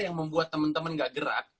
yang membuat temen temen gak gerak